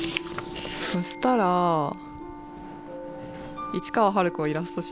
そしたら市川春子イラスト集。